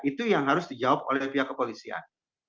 itu yang harus dijawab oleh pihak kepolisian